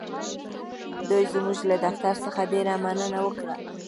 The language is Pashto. دوی زموږ له دفتر څخه ډېره مننه وکړه.